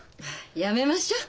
やめましょ。